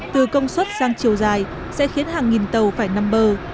từ công suất sang chiều dài sẽ khiến hàng nghìn tàu phải nằm bờ